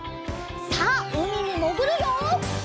さあうみにもぐるよ！